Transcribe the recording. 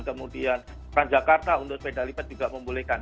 kemudian raja karta untuk sepeda lipat juga membolehkan